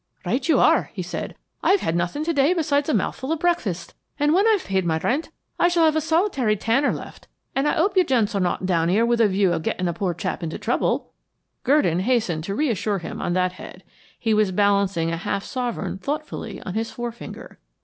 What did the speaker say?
"Right you are," he said. "I've had nothing today besides a mouthful of breakfast, and when I've paid my rent I shall have a solitary tanner left; but I 'ope you gents are not down here with a view of getting a poor chap into trouble?" Gurdon hastened to reassure him on that head. He was balancing a half sovereign thoughtfully on his forefinger.